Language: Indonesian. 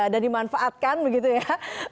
dan dimanfaatkan begitu ya